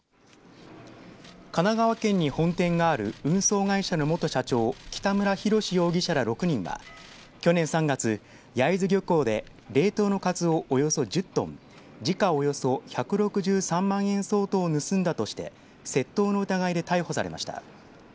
神奈川県に本店がある運送会社の元社長北村祐志容疑者ら６人は去年３月、焼津漁港で冷凍のカツオ、およそ１０トン時価およそ１６３万円相当を盗んだとして窃盗の疑いで逮捕されました。